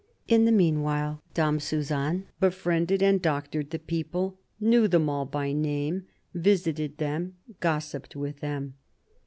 In the meanwhile, Dame Suzanne befriended and doctored the people, knew them all by name, visited them, gossiped with them.